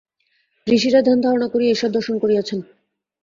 ঋষিরা ধ্যান-ধারণা করিয়া ঈশ্বর দর্শন করিয়াছেন।